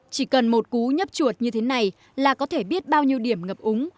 chỉ cần một cú nhấp chuột như thế này là có thể biết bao nhiêu điểm ngập úng